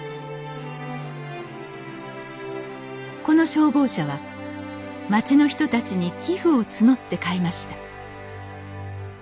この消防車は町の人たちに寄付を募って買いました。